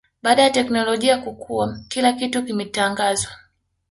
baada ya teknolojia kukua kila kitu kimetangazwa